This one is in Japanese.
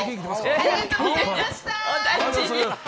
ありがとうございます。